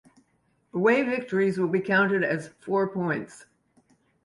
Away victories will be counted as four points.